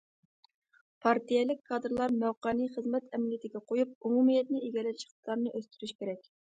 پارتىيەلىك كادىرلار مەۋقەنى خىزمەت ئەمەلىيىتىگە قويۇپ، ئومۇمىيەتنى ئىگىلەش ئىقتىدارىنى ئۆستۈرۈشى كېرەك.